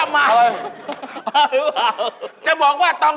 มันผอบเงิน